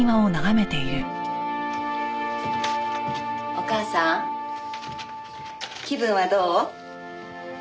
お母さん気分はどう？